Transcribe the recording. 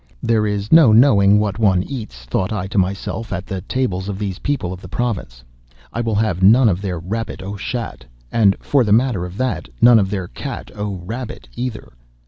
There is no knowing what one eats, thought I to myself, at the tables of these people of the province. I will have none of their rabbit au chat—and, for the matter of that, none of their cat au rabbit either.